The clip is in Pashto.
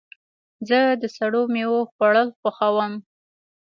زه د سړو میوو خوړل خوښوم.